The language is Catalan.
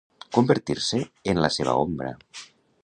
Convertir-se en la seva ombra.